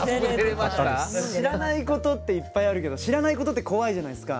知らないことっていっぱいあるけど知らないことって怖いじゃないですか。